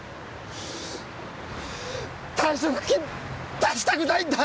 退職金出したくないんだ！